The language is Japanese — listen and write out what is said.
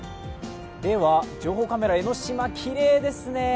では情報カメラ、江の島、きれいですね。